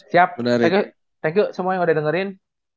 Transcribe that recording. siap thank you semua yang udah dengerin